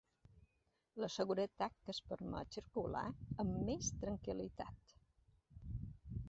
La seguretat que ens permet circular amb més tranquil·litat.